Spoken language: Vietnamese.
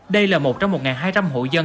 đây là một trong một hai trăm linh hộ dân